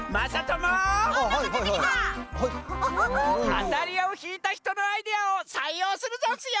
あたりをひいたひとのアイデアをさいようするざんすよ！